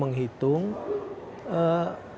selalu berupaya mengukur menghitung